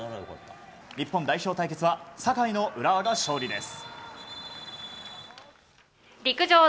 日本代表対決は酒井の浦和が勝利です。